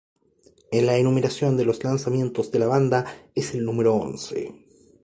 En la enumeración de los lanzamientos de la banda, es el número once.